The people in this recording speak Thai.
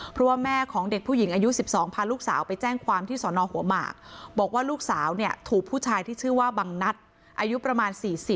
เพราะว่าแม่ของเด็กผู้หญิงอายุ๑๒พาลูกสาวไปแจ้งความที่สอนอหัวหมากบอกว่าลูกสาวเนี่ยถูกผู้ชายที่ชื่อว่าบังนัดอายุประมาณ๔๐